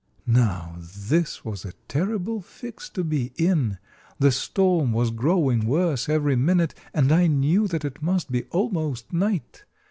Now, this was a terrible fix to be in. The storm was growing worse every minute, and I knew that it must be almost night.